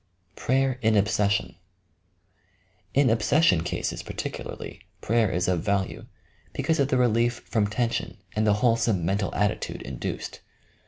PBAYEB ra OBsessiox In obsession cases particularly, prayer is of value, be cause of the relief from tension and the wholesome mental attitude induced.